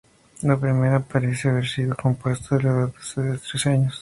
La primera parece haber sido compuesto a la edad de doce o trece años.